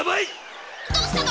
「どうしたの？」。